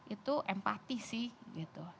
itu empati sih gitu